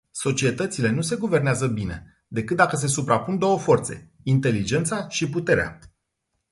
Societățile nu se guvernează bine decât dacă se suprapun două forțe: inteligența și puterea.